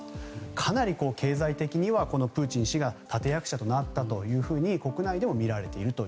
かなり経済的にはプーチン氏が立役者となったと国内でもみられていると。